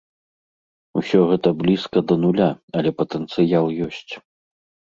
Усё гэта блізка да нуля, але патэнцыял ёсць.